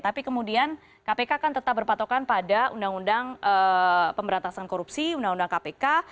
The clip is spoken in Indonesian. tapi kemudian kpk kan tetap berpatokan pada undang undang pemberantasan korupsi undang undang kpk